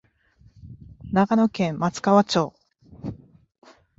長野県松川町